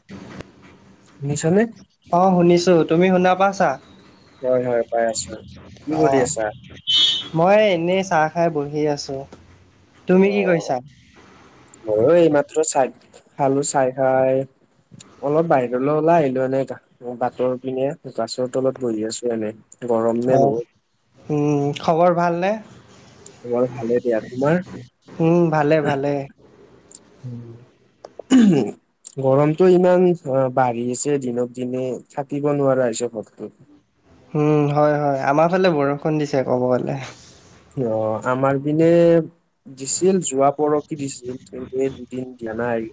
[unintelligible] শুনিছানে? অ শুনিছো তুমি শুনা পাছা? হয় হয় পাই আছো কি অ কৰি আছা? মই এনেই চাহ খাই বহি আছো তুমি কি কৰিছা? মইও এইমাত্ৰ চাই খালো চাই খাই অলপ বাহিৰলৈ ওলাই আহিলো এনে বাটৰ পিনে গাছৰ তলত বহি আছোঁ এনে গৰম নে অহ বহুত? উম, খবৰ ভালনে? মোৰ ভালে দিয়া, তোমাৰ? উম ভালে ভালে অহ উম। উমহ। গৰমটো ইমান অ বাঢ়ি গৈছে দিনক দিনে থাকিব নোৱাৰা হৈছে ঘৰটোত। উম হয় হয় আমাৰ ফালে বৰষুণ দিছে ক'ব গ'লে। অ আমাৰ পিনে দিছিল যোৱা পৰখি দিছিল কিন্তু এই দুদিন দিয়া নাই।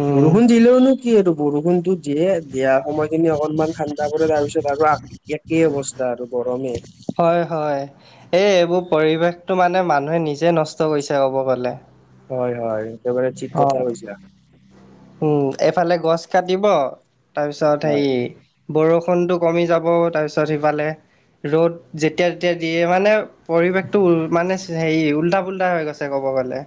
উম বৰষুণ দিলেওনো কি এইটো বৰষুণটো দিয়ে দিয়া সময়খিনি অকনমান ঠা তাৰপিছত তাৰপৰা একেই অৱস্থা আৰু গৰমে। হয় হয়। এই এইবোৰ পৰিৱেশটো মানে মানুহে নিজে নষ্ট কৰিছে ক'ব গ'লে। হয় হয় একেবাৰে ঠিক অ কথা কৈছা। উম এফালে গছ কাটিব তাৰপিছত হয় হেৰী বৰষুণটো কমি যাব তাৰপিছত সিফালে ৰ'দ যেতিয়া তেতিয়া দিয়ে মানে পৰিৱেশটো উ মানে হেৰী উল্টা পুল্টা হৈ গৈছে ক'ব গ'লে।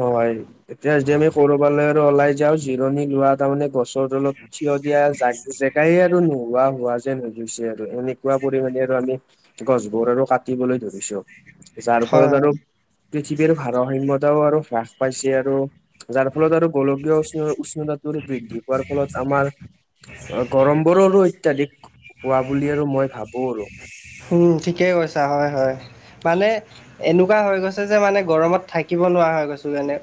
হয় এতিয়া যদি আমি ক'ৰবালে আৰু ওলাই যাওঁ জিৰণি লোৱা তাৰমানে গছ গছৰ তলত থিয় দিয়া জা জে প্ৰায়ে আৰু নোহোৱা হোৱা যেন হৈ গৈছে আৰু এনেকুৱা পৰিমাণে আৰু আমি গছবোৰ আৰু কাটিবলৈ ধৰিছো। যাৰ হয়, ফলত আৰু হয়। পৃথিৱীৰ ভাৰসাম্যতাও আৰু হ্ৰাস পাইছে আৰু যাৰ ফলত আৰু গোলকীয় উষ্ণ উষ্ণতা টোৰ বৃদ্ধি পোৱাৰ ফলত আমাৰ অ গৰমবোৰো আৰু অত্যাধিক হোৱা বুলি আৰু মই ভাবোঁ আৰু। হোম ঠিকেই কৈছা হয় হয়। মানে এনেকুৱা হৈ গৈছে যে মানে গৰমত থাকিব নোৱাৰা হৈ গৈছো যেনে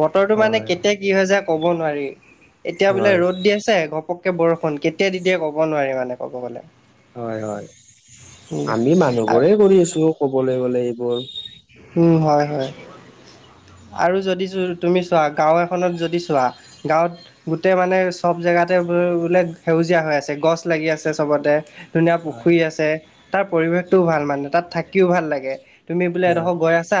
বতৰটো মানে হয় কেতিয়া কি হয় যায় ক'ব নোৱাৰি। এতিয়া বোলে হয় ৰ'দ দি আছে ঘপ ঘপককে বৰষুণ কেতিয়া দি দিয়ে ক'ব নোৱাৰি মানে ক'ব গ'লে। হয় হয়, উম, আমি আ- মানুহবোৰেই কৰি আছোঁ ক'বলৈ গ'লে এইবোৰ। উম হয় হয়। আৰু যদি তুমি চোৱা গাঁও এখনত যদি চোৱা গাঁৱত গোটেই মানে চব জেগাতে বোলে সেউজীয়া হৈ আছে গছ লাগি আছে চবতে। ধুনীয়া হয় পুখুৰী আছে তাৰ পৰিৱেশটোও ভাল মানে তাত থাকিও ভাল লাগে তুমি বোলে হয় এডখৰ গৈ আ আছা,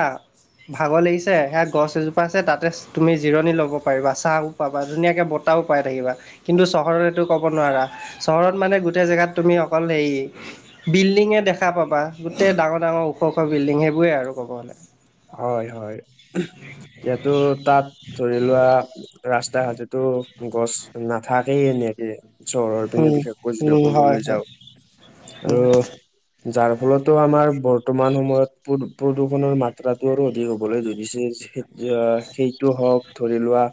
ভাগৰ লাগিছে সেয়া গছ এজোপা আছে তাতে তুমি জিৰণি ল'ব পাৰিবা ছাঁ পাবা ধুনীয়াকে বতাহো পাই থাকিবা কিন্তু চহৰৰ এইটো ক'ব নোৱাৰা। চহৰত মানে গোটেই জেগাত তুমি অকল হেৰী বিল্ডিঙে দেখা পাবা গোটেই ডাঙৰ ডাঙৰ ওখ ওখ বিল্ডিং সেইবোৰে আৰু ক'ব গ'লে। হয় হয় উমহ, এতিয়াটো তাত ধৰি লোৱা ৰাস্তা ঘাটতো গছ নাথাকেই এনেকে। চহৰৰ পিনে উম বিশেষকৈ যদি উম হয় ক'বলৈ হয় যাওঁ আৰু উম, যাৰ ফলতো আমাৰ বৰ্তমান সময়ত প্ৰদূ প্ৰদূষণৰ মাত্ৰা আৰু অধিক হ'বলৈ ধৰিছে যে সেইট আ সেইটো হওঁক ধৰি লোৱা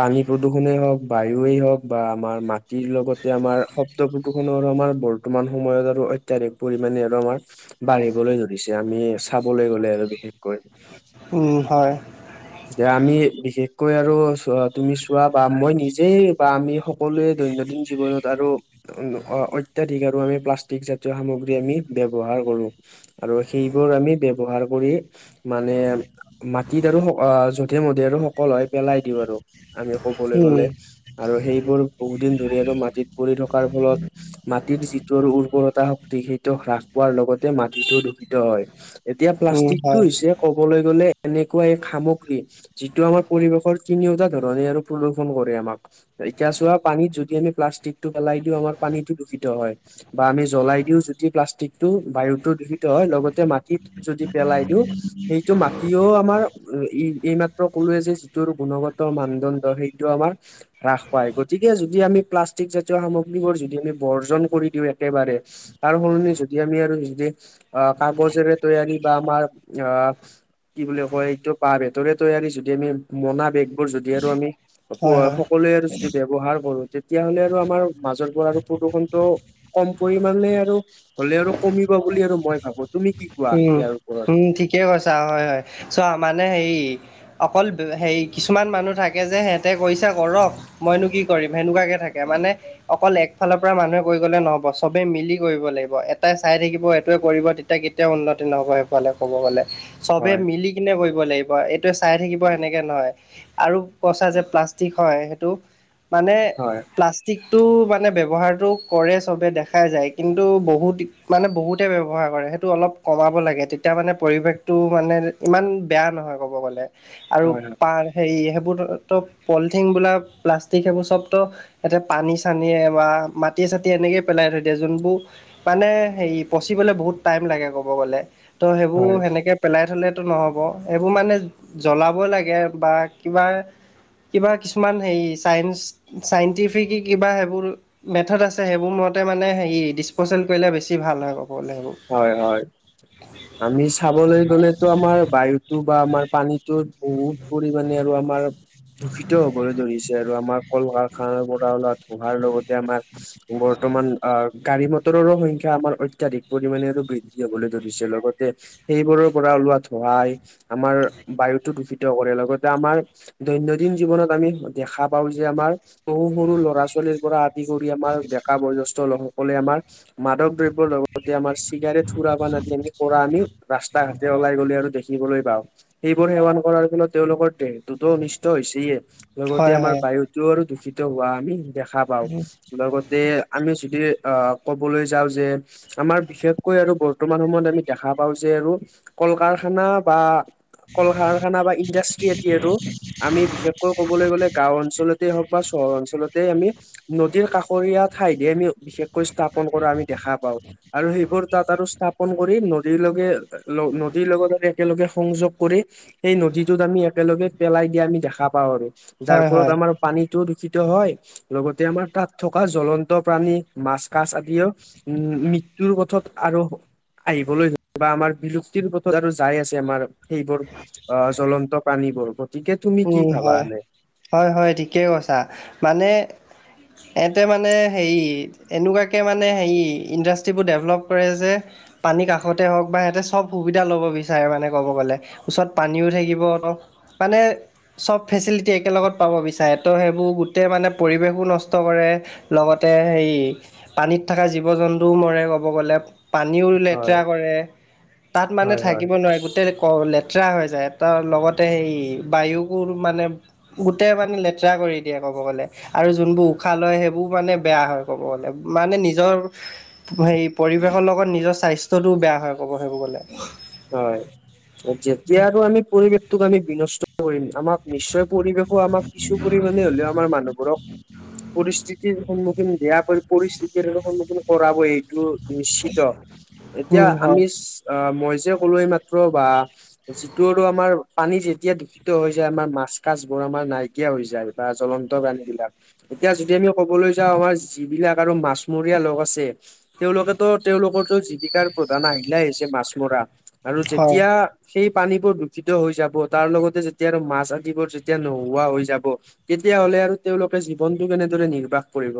পানী প্ৰদূষণে হওঁক বায়ুৱে হওঁক বা আমাৰ মাটিৰ লগতে আমাৰ শব্দ প্ৰদূষণ আৰু আমাৰ বৰ বৰ্তমান সময়ত আৰু অত্যাধিক পৰিমাণে আৰু আমাৰ বাঢ়িবলৈ ধৰিছে। আমি চাবলৈ গ'লে আৰু বিশেষকৈ উম হয়। যে আমি বিশেষকৈ আৰু চো তুমি চোৱা বা মই নিজেই বা আমি সক সকলোৱে দৈনন্দিন জীৱনত আৰু অ-অত্যাধিক আৰু আমি প্লাষ্টিক জাতীয় সামগ্ৰী আমি ব্যৱহাৰ কৰোঁ। আৰু সেইবোৰ আমি ব্যৱহাৰ কৰি মানে মাটিত আৰু অ যধে-মধে আৰু সকল হয় পেলাই দিওঁ আৰু। আমি কবলৈ উম, গ'লে, আৰু সেইবোৰ বহুত দিন ধৰি আৰু মাটিত পৰি থকাৰ ফলত মাটিৰ যিটোৰ উৰ্বৰতা শক্তি, সেইটো হ্ৰাস পোৱাৰ লগতে মাটিটো দূষিত হয়। এতিয়া উম, হয়, প্লাষ্টিকটো হৈছে ক'বলৈ গ'লে এনেকুৱা এক সামগ্ৰী, যিটো আমাৰ পৰিৱেশৰ তিনিওটা ধৰণে আৰু প্ৰদূষণ কৰে আমাক। এতিয়া চোৱা, পানীত যদি আমি প্লাষ্টিকটো পেলাই দিওঁ, আমাৰ পানীটো দূষিত হয়। বা আমি জ্বলাই দিওঁ যদি প্লাষ্টিকটো, বায়ুটো দূষিত হয়, লগতে মাটিত যদি পেলাই দিওঁ, সেইটো মাটিও আমাৰ ই এই এই মাত্ৰ ক'লোৱে যে যিটোৰ গুণগত মানদণ্ড সেইটো আমাৰ হ্ৰাস পায়। গতিকে যদি আমি প্লাষ্টিক জাতীয় সামগ্ৰীবোৰ যদি আমি বৰ্জন কৰি দিওঁ একেবাৰে তাৰ সলনি যদি আমি আৰু যদি আহ কাগজেৰে তৈয়াৰী বা আমাৰ আহ কি বুলি কয় এইটো, বাঁহ-বেতেৰে তৈয়াৰী যদি আমি মোনা বেগ যদি আৰু আমি হয়, হয়, উপ-সকলোৱে আৰু যদি ব্যৱহাৰ কৰোঁ! তেতিয়া হ'লে আৰু আমাৰ মাজৰ পৰা আৰু প্ৰদূষণটো কম পৰিমণে আৰু হ'লে আৰু কমিব বুলি আৰু মই ভাবোঁ। উম, উম ঠিকে কৈছা, হয়, হয়। চোৱা, মানে হেৰি অকল হেৰি কিছুমান মানুহ থাকে যে সিহঁতে কৰিছে, কৰক। মইনো কি কৰিম, সেনেকুৱাকে থাকে মানে অকল একফালৰ পৰা মানুহে কৰি গ'লে নহ'ব। সবে মিলি কৰিব লাগিব। এটাই চাই থাকিব, এইটোৱে কৰিব তেতিয়া কি কেতিয়াও উন্নতি নহয় সেফালে ক'ব গ'লে। সবে হয় মিলি কিনে কৰিব লাগিব। এইটো চাই থাকিব সেনেকে নহয়। আৰু কৈছা যে প্লাষ্টিক হয় সেইটো মানে হয় প্লাষ্টি ষ্টিকটো মানে ব্যৱহাৰটো কৰে সবে দেখাই যায়। কিন্তু বহুত মানে বহুতে ব্যৱহাৰ কৰে। টো অলপ কমাব লাগে, তেতিয়া মানে পৰিৱেশটো মানে ইমান বেয়া নহয় ক'ব গ'লে। আৰু হয় পাৰ সেই সেইবোৰতো পলিথিনবিলাক প্লাষ্টিক সেইবোৰ সব ত ইয়াতে পানী-চানীয়ে বা মাটিয়ে-চাটিয়ে এনেকে পেলাই থৈ দিয়ে। যোনবোৰ মানে হেৰি পঁছিবলে বহুত টাইম লাগে ক'ব গ'লে। ত' হয় সেইবোৰ সেনেকে পেলাই থ'লেতো নহ'ব। সেইবোৰ মানে জ্বলাব লাগে বা কিবা কিবা কিছুমান হেৰি চাইঞ্চ চাইন্টিফিকি কিবা সেইবোৰ মেথ'ড আছে, সেইবোৰ মতে মানে হেৰি ডিচপ'চেল কৰিলে বেছি ভাল হয় ক'ব গ'লে সেইবোৰ। হয়, হয়। আমি চাবলৈ গ'লেতো আমাৰ বায়ুতো বা আমাৰ পানীতো বহু পৰিমাণে আৰু আমাৰ দূষিত হ'বলৈ ধৰিছে আৰু আমাৰ কল-কাৰখানাৰ পৰা ওলোৱা ধোঁৱাৰ লগতে আমাৰ বৰ্তমান আহ গাড়ী-মটৰৰো সংখ্যা আমাৰ অত্যাধিক। পৰিমাণে আৰু বৃদ্ধি হ'বলৈ ধৰিছে। লগতে সেইবোৰৰ পৰা ওলোৱা ধোঁৱাই আমাৰ বায়ুতো দূষিত কৰে লগতে আমাৰ দৈনন্দিন জীৱনত আমি দেখা পাওঁ যে আমাৰ সৰু সৰু ল'ৰা-ছোৱালীৰ পৰা আদি কৰি আমাৰ ডেকা, বয়োজ্যেষ্ঠ লোকসকলে আমাৰ মাদক দ্ৰব্য লগতে আমাৰ চিগাৰেট, সুৰাপান আৰু তেওঁলোকে পৰা আমি ৰাস্তা-ঘাটে ওলাই গ'লে আৰু দেখিবলৈ পাওঁ। সেইবোৰ সেৱন কৰাৰ ফলত তেওঁলোকৰ দেহ টো অনিষ্ট হৈছেয়ে, লগতে হয় আমাৰ হয় বায়ুটোও আৰু দূষিত হোৱা আমি দেখা পা বাৰু, লগতে আমি যদি অ', ক'বলৈ যাওঁ যে আমাৰ বিশেষকৈ আৰু বৰ্তমান সময়ত আমি দেখা পাওঁ যে আৰু কল-কাৰখানা বা কল-কাৰখানা বা ইণ্ডাষ্ট্ৰি আদি আৰু আমি বিশেষকৈ ক'বলৈ গ'লে গাওঁ অঞ্চলতে হওঁক বা চহৰ অঞ্চলতে আমি নদীৰ কাষৰীয়া ঠাইতে আমি বিশেষকৈ স্থাপন কৰা আমি দেখা পাওঁ। আৰু সেইবোৰ তাত আৰু স্থাপন কৰি, নদীৰ লগে নদীৰ লগত একেলগে সংযোগ কৰি সেই নদীটোত আমি একেলগে পেলাই দিয়া আমি দেখা পাওঁ আৰু যাৰ হয় ফলত হয় আমাৰ পানীটোও দূষিত হয় লগতে আমাৰ তাত থকা জ্বলন্ত প্ৰাণী মাছ-কাছ আদিও উম, মৃ মৃত্যুৰ পথত আৰু আহিবলৈ ধৰি বা আমাৰ বিলুপ্তিৰ পথত আৰু যাই আছে আমাৰ। সেইবোৰ অ', জ্বলন্ত প্ৰাণীবোৰ। গতিকে তুমি কি উম, ভাবা হয়, এনে হয়, হয় ঠিকেই কৈছা মানে এতে মানে, হেৰি এনেকুৱাকে মানে, হেৰি, ইণ্ডাষ্ট্ৰিবোৰ ডেভেলপ কৰে যে। পানীৰ কাষতে হওঁক বা সিহঁতে চব সুবিধা ল'ব বিচাৰে মানে ক'ব গ'লে। ওচৰত পানীও থাকিব অলপ, মানে চব ফেচিলিটি একেলগত পাব বিচাৰে, ত' সেইবোৰ গোটেই মানে পৰিৱেশো নষ্ট কৰে। লগতে সেই পানীত থকা জীৱ-জন্তুয়ো মৰে ক'ব গ'লে। পানীও হয় লেতেৰা কৰে তাত মানে হয় হয় থাকিব নোৱাৰে, গোটেই অ', লেতেৰা হৈ যায় তাৰ লগতে সেই বায়ুকো মানে গোটেই পানী লেতেৰা কৰি দিয়ে ক'ব গ'লে। আৰু যোনবোৰ উশাহ লয়, সেইবোৰ মানে বেয়া হয় ক'ব গ'লে মানে নিজৰ হেৰি পৰিৱেশৰ লগত নিজৰ স্বাস্থ্যটোও বেয়া হয় ক'ব সেইবোৰ গ'লে। হয়, যেতিয়া আৰু আমি পৰিৱেশটোক আমি বিনষ্ট কৰিম, আমাক নিশ্চয় পৰিৱেশো আমাক কিছু পৰিমাণে হ'লেও আমাৰ মানুহবোৰক পৰিস্থিতিৰ সন্মুখীন বেয়াকৈ পৰিস্থিতিৰ সন্মুখীন কৰাবই, এইটো নিশ্চিত। এতিয়া উম হয় আমি ইছ, আ, মই যে ক'লো এইমাত্ৰ বা যিটো আৰু আমাৰ পানী যেতিয়া দূষিত হৈ যায়, আমাৰ মাছ কাছবোৰ আমাৰ নাইকিয়া হৈ যায়। বা জলন্ত প্ৰাণীবিলাক। এতিয়া যদি আমিও ক'বলৈ যাওঁ, আমাৰ যিবিলাক আৰু মাছমৰীয়া লোক আছে। তেওঁলোকেটো তেওঁলোকৰটো জীৱিকাৰ প্ৰধান আহিলাই হৈছে মাছ মৰা আৰু হয় যেতিয়া সেই পানীবোৰ দূষিত হৈ যাব, তাৰলগতে যেতিয়া আৰু মাছ আদিবোৰ যেতিয়া নোহোৱা হৈ যাব। তেতিয়াহ'লে আৰু তেওঁলোকে জীৱনটো কেনেদৰে নিৰ্বাহ কৰিব?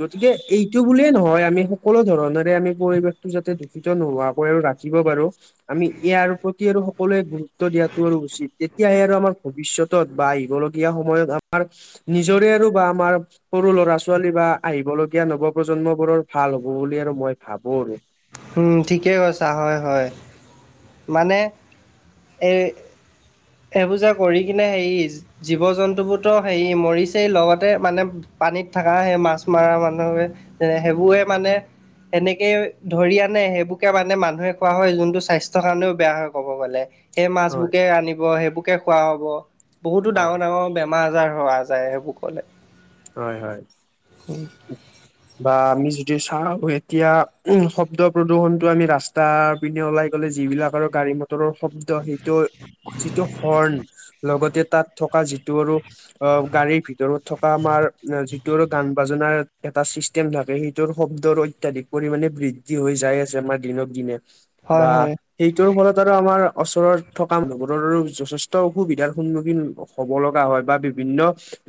গতিকে, এইটো বুলিয়ে নহয় আমি সকলো ধৰনেৰে আমি পৰিৱেশটো যাতে দূষিত নোহোৱাকৈ আৰু ৰাখ খিব পাৰোঁ আমি ইয়াৰ প্ৰতি আৰু স সকলোৱে গুৰুত্ব দিয়াটো আৰু উচিত, তেতিয়াহ'লে আৰু আমাৰ ভৱিষ্যতত বা আহিবলগীয়া সময়ত আমাৰ নিজৰে আৰু বা আমাৰ সৰু ল'ৰা-ছোৱালী বা আহিবলগীয়া নৱপ্ৰজন্মবোৰৰ ভাল হ'ব বুলি আৰু মই ভাবোঁ আৰু। উম, ঠিকে কৈছা, হয়, হয়। মানে, এই সেই [unintelligible] কৰি কিনে হেৰি জীৱ-জন্তুবোৰটো হেৰি মৰিছেই, লগতে মানে পানীত থকা সেই মাছ মৰা মানুহে এ সেইবোৰে মানে [unintelligible] সেনেকেই ধৰি আনে, সেইবোৰকে মানে মানুহে খোৱা হয়, যোনটো স্বাস্থ্য [unintelligible] স্বাস্থ্যৰ কাৰণেও বেয়া হয় কব গ'লে। সেই হয় মাছবোৰকে আনিব, সেইবোৰকে খুৱা হব। [unintelligible] বহুতো হয় ডাঙৰ-ডাঙৰ বেমাৰ-আজাৰ হোৱা যায়, সেইবোৰ ক'লে। [inaudible] হয়-হয়। [inaudible] [unintelligible] [inaudible] বা আমি যদি চাওঁ, এতিয়া উম্ শব্দ প্ৰদূষনটো আমি ৰাস্তাত [inaudible] পিনে ওলাই গ'লে যিবিলাক আৰু গাড়ী, মটৰৰ শব্দ সেইটো, যিটো হৰ্ণ [unintelligible] লগতে তাত থকা যিটো আৰু অ গাড়ীৰ ভিতৰত থকা আমাৰ যিটো আৰু গান [unintelligible] বাজানাৰ এটা চিষ্টেম থাকে, সেইটোৰ শব্দৰ অত্যাধিক পৰিমাণে বৃদ্ধি হৈ যায় আছে আমাৰ দিনত [inaudible] দিনে হয় বা হয় [inaudible] সেইটোৰ ফলত আৰু আমাৰ ওচৰত থকা মানুহবোৰৰ আৰু যথেষ্ট অসুবিধাৰ সন্মুখীন হব [unintelligible] হ'ব লগা হয় বা বিভিন্ন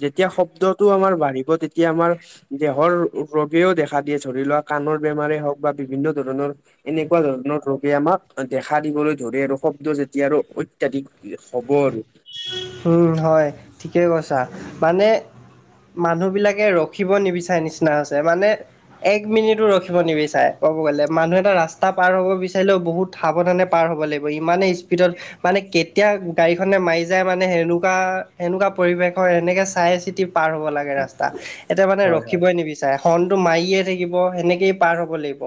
যেতিয়া শব্দটো আমাৰ বাঢ়িব তেতিয়া আমাৰ [inaudible] দেহৰ ৰোগেও দেখা দিয়ে ধৰি লোৱা কাণৰ বেমাৰে হওক বা বিভিন্ন ধৰণৰ [inaudible] এনেকুৱা ধৰণৰ ৰোগে আমাক দেখা দিবলৈ ধৰে আৰু শব্দ যেতিয়া আৰু অত্যাধিক [unintelligible] হ'ব আৰু [unintelligible] [inaudible] উম হয় ঠিকেই কৈছা মানে মানুহবিলাকে ৰখিব নিবিচাৰে নিচিনা হৈছে মানে [inaudible] এক মিনিটো ৰখিব নিবিচাৰে ক'ব গ'লে, মানুহ এটা ৰাস্তা পাৰ হ'ব বিচাৰিলেও বহুত [inaudible] সাৱধানে পাৰ হ'ব লাগিব ইমানে স্পীডত মানে [unintelligible] কেতিয়া গাড়ীখনে মাৰি যায় মানে সেনেকুৱা-সেনেকুৱা পৰিৱেশৰ, এনেকে চাই-চিতি পাৰ হ'ব লাগে ৰাস্তা। [unintelligible] [unintelligible] এতিয়া মানে হয় হয় ৰখিবই নিবিচাৰে হৰ্ণটো মাৰিয়েই থাকিব সেনেকেই পাৰ হব লাগিব।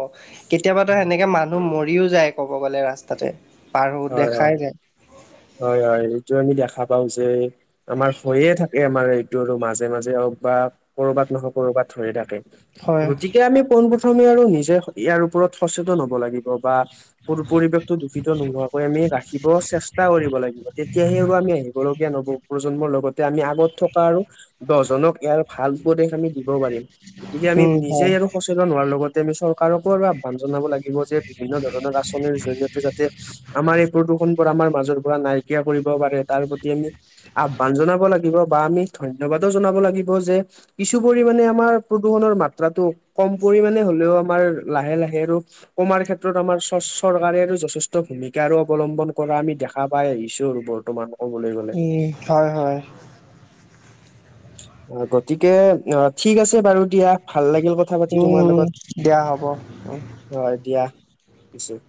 কেতিয়াবাতো সেনেকে মানুহ মৰিও যায় ক'ব গ'লে ৰাস্তাতে, পাৰো দেখাই যায় [unintelligible] হয়-হয় এইটো আমি দেখা [inaudible] পাওঁ যে [unintelligible] আমাৰ হৈয়ে থাকে আমাৰ এইটো আৰু মাজে-মাজে হওক বা কৰবাত নহওক কৰবাত হৈয়ে থাকে। [inaudible] হয় গতিকে আমি পোনপ্ৰথমে আৰু নিজে ইয়াৰ ওপৰত সচেতন হব লাগিব বা [unintelligible] পৰিৱেশতো দূষিত নোহোৱাকৈ আমি ৰাাখিব চেষ্টা [inaudible] চেষ্টা কৰিব লাগিব, তেতিয়াহে আৰু আমি আহিবলগীয়া নৱপ্ৰজন্মৰ লগতে আমি আগত থকা আৰু [unintelligible] দজনক ইয়াৰ ভাল উপদেশ আমি দিব পাৰিম, গতিকে আমি উম নিজে হয় আৰু [inaudible] সচেতন হোৱাৰ লগতে আমি চৰকাৰকো আৰু আহ্বান জনাব লাগিব যে বিভিন্ন ধৰণৰ আঁচনিৰ জৰিয়তে যাতে [unintelligible] আমাৰ এই প্ৰদূষণবোৰ আমাৰ মাজৰ [unintelligible] মাজৰ পৰা নাইকিয়া কৰিব পাৰে তাৰ প্ৰতি আমি আহ্বান জনাব লাগিব বা আমি [unintelligible] ধন্যবাদো জনাব লাগিব যে [inaudible] কিছু পৰিমানে আমাৰ প্ৰদূষণৰ মাত্ৰাটো কম পৰিমানে হলেও আমাৰ লাহে-লাহে আৰু [unintelligible] কমাৰ ক্ষেত্ৰত আমাৰ চ [unintelligible] চৰকাৰে যথেষ্ট ভূমিকা অৱলম্বন কৰা আমি দেখা দেখা পাই আহিছো আৰু বৰ্তমান [unintelligible] উম [unintelligible] হয়-হয়। অ গতিকে অ ঠিক আছে বাৰু দিয়া [unintelligible] ভাল লাগিল কথা পাতি তোমাৰ উম লগত, দিয়া হ'ব উম হয় দিয়া [unintelligible]